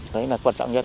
đấy là quan trọng nhất